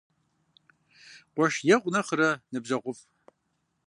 Къуэш егъу нэхърэ ныбжьэгъуфӀ.